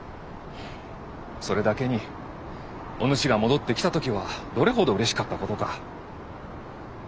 それだけにおぬしが戻ってきた時はどれほどうれしかったことか。